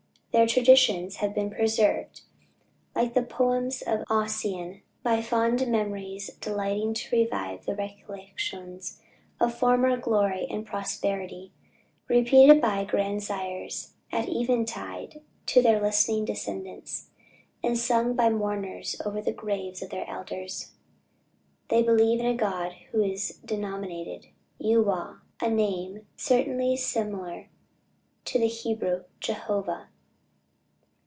"Their traditions have been preserved, like the poems of Ossian, by fond memories delighting to revive the recollections of former glory and prosperity; repeated by grandsires at even tide to their listening descendants, and sung by mourners over the graves of their elders. "They believe in a God who is denominated Yu wah," a name certainly similar to the Hebrew Jehovah.